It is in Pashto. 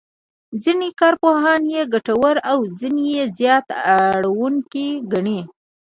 ځینې کارپوهان یې ګټوره او ځینې یې زیان اړوونکې ګڼي.